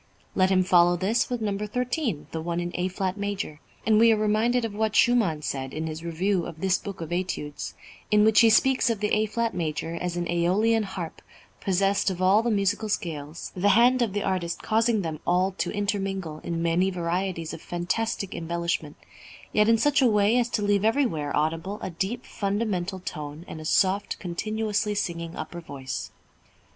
Let him follow this with number thirteen, the one in A flat major, and we are reminded of what Schumann said, in his review of this book of Études, in which he speaks of the A flat major as "an æolian harp, possessed of all the musical scales, the hand of the artist causing them all to intermingle in many varieties of fantastic embellishment, yet in such a way as to leave everywhere audible a deep fundamental tone and a soft continuously singing upper voice."